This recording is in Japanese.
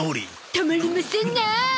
たまりませんなあ！